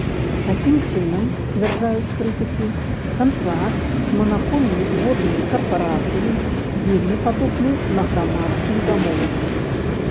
Такім чынам, сцвярджаюць крытыкі, кантракт з манапольнай воднай карпарацыяй вельмі падобны на грамадскую дамову.